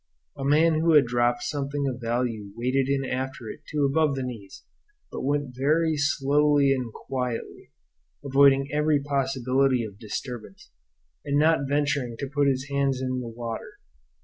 A man who had dropped something of value waded in after it to above the knees, but went very slowly and quietly, avoiding every possibility of disturbance, and not venturing to put his hands into the water.